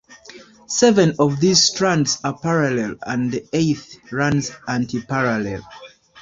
Seven of these strands are parallel and the eighth runs antiparallel.